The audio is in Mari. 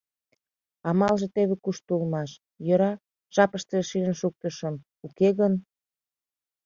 Амалже теве кушто улмаш, йӧра, жапыштыже шижын шуктышым, уке гын...